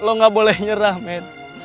lo gak boleh nyerah matt